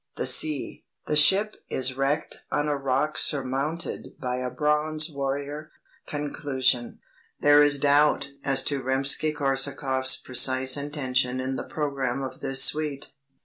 The Sea. The Ship is Wrecked on a Rock Surmounted by a Bronze Warrior. Conclusion." There is doubt as to Rimsky Korsakoff's precise intention in the programme of this suite.